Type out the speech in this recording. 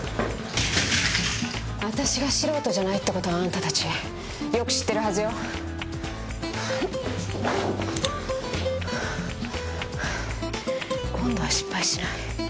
私が素人じゃないって事はあんたたちよく知ってるはずよ。今度は失敗しない。